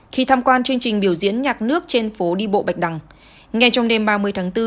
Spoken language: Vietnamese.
khi tham quan chương trình biểu diễn nhạc nước trên phố đi bộ bạch đằng ngay trong đêm ba mươi tháng bốn